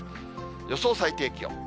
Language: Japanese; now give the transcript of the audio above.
予想最低気温。